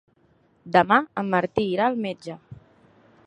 Demà en Martí irà al metge.